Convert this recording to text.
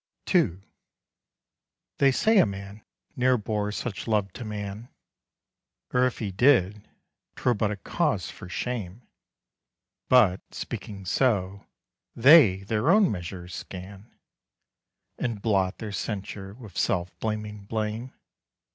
II They say a man ne'er bore such love to man, Or, if he did, 'twere but a cause for shame; But, speaking so, they their own measure scan, And blot their censure with self blaming blame.